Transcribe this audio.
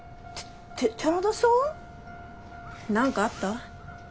何かあった？